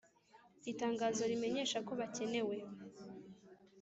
Itangazo rimenyesha ko bakenewe